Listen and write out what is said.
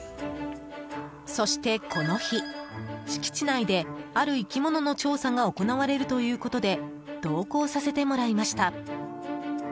そして、この日敷地内で、ある生き物の調査が行われるということで同行させてもらいました。